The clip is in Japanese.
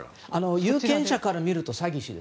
有権者から見ると詐欺師です。